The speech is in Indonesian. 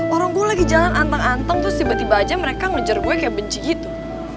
orang gue lagi jalan anteng anteng terus tiba tiba aja mereka ngejar gue kayak benci gitu